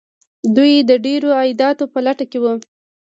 دوی د ډیرو عایداتو په لټه کې وو.